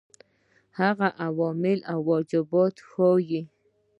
هغه عوامل او موجبات وښيیو.